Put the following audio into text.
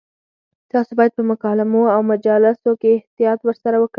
تاسو باید په مکالمو او مجالسو کې احتیاط ورسره وکړئ.